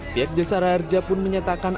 pihak desa raja pun menyatakan